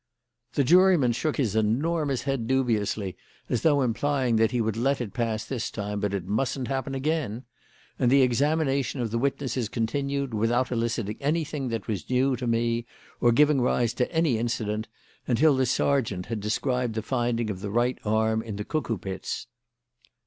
The juryman shook his enormous head dubiously as though implying that he would let it pass this time but it mustn't happen again; and the examination of the witnesses continued, without eliciting anything that was new to me or giving rise to any incident, until the sergeant had described the finding of the right arm in the Cuckoo Pits.